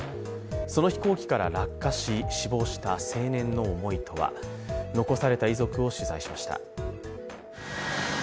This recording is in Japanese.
その飛行機から落下し死亡した青年の思いとは残された遺族を取材しました。